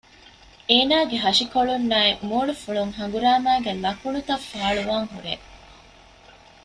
އޭނާގެ ހަށިކޮޅުންނާއި މޫނުފުޅުން ހަނގުރާމައިގެ ލަކުނުތައް ފާޅުވާން ހުރޭ